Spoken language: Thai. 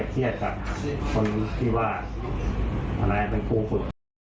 เขาจะเฮียดกับคนที่ว่าอะไรเป็นภูผู้